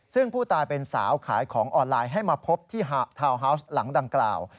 ซึ่งผู้ตายเป็นสาวขายของออนไลน์ให้มาพบที่ทาวน์ฮาวส์หลังดังกล่าว